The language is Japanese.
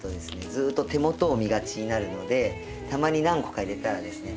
ずっと手元を見がちになるのでたまに何個か入れたらですね